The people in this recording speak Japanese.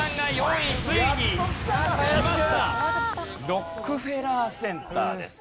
ロックフェラー・センターです。